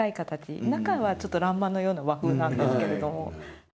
中は欄間のような和風なんですけれども。